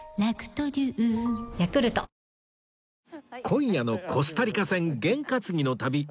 今夜のコスタリカ戦験担ぎの旅